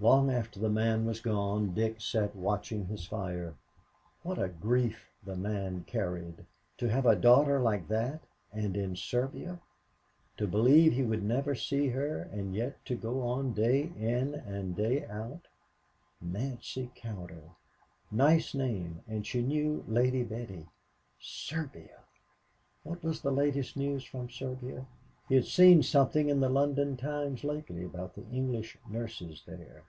Long after the man was gone Dick sat watching his fire. What a grief the man carried! To have a daughter like that and in Serbia; to believe he would never see her and yet to go on day in and day out "Nancy Cowder" nice name and she knew Lady Betty. Serbia! What was the latest news from Serbia? he'd seen something in the London Times lately about the English nurses there.